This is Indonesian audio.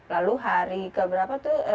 lalu hari keberapa tuh diva dironsen